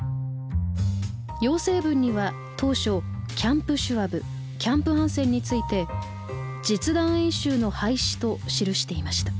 要請文には当初キャンプ・シュワブキャンプ・ハンセンについて「実弾演習の廃止」と記していました。